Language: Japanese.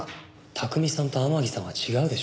拓海さんと天樹さんは違うでしょ。